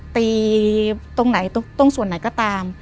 ตีตรงส่วนไหนก็ตาม